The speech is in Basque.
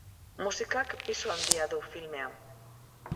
Musikak pisu handia du filmean.